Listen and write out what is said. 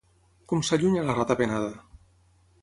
Com s'allunya la ratapenada?